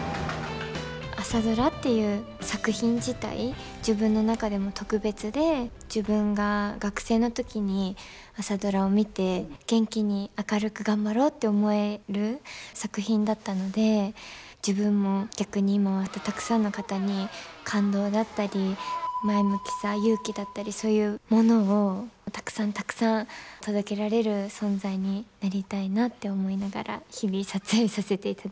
「朝ドラ」っていう作品自体自分の中でも特別で自分が学生の時に「朝ドラ」を見て元気に明るく頑張ろうって思える作品だったので自分も逆に今は本当たくさんの方に感動だったり前向きさ勇気だったりそういうものをたくさんたくさん届けられる存在になりたいなって思いながら日々撮影させていただいてます。